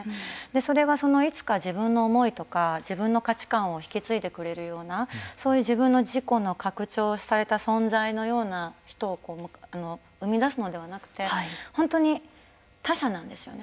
それがそのいつか自分の思いとか自分の価値観を引き継いでくれるようなそういう自分の自己の拡張された存在のような人を生み出すのではなくて本当に他者なんですよね。